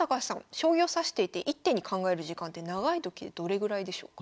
将棋を指していて１手に考える時間って長いときでどれぐらいでしょうか？